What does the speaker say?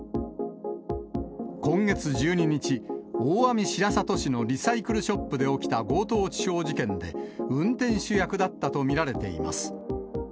今月１２日、大網白里市のリサイクルショップで起きた強盗致傷事件で、運転手役だったと見られています。